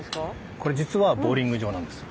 これ実はボウリング場なんですよ。